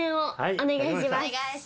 お願いします。